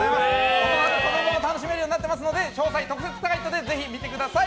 大人も子供も楽しめるようになっていますので詳細は特設サイトでぜひ見てください。